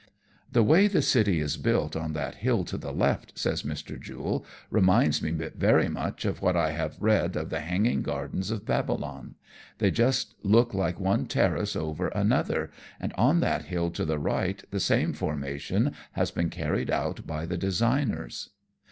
" The way the city is built on that hill to the left," says Mr. Jule, " reminds me very much of what I have read of the hanging gardens of Babylon. They just look like one terrace over another, and on that hill to the right the same formation has been carried out by the designers."